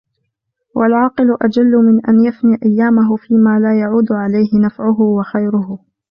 وَالْعَاقِلُ أَجَلُّ مِنْ أَنْ يَفِنِي أَيَّامَهُ فِيمَا لَا يَعُودُ عَلَيْهِ نَفْعُهُ وَخَيْرُهُ